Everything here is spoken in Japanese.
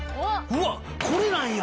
うわっこれなんや！